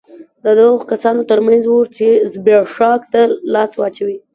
دا د هغو کسانو ترمنځ وو چې زبېښاک ته لاس واچوي